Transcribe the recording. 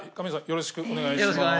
よろしくお願いします。